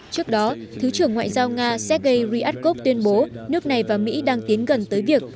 trước đó thứ trưởng ngoại giao nga sergei ryakov tuyên bố nước này và mỹ đang tiến gần tới việc